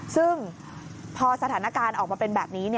ซึ่งพอสถานการณ์ออกมาเป็นแบบนี้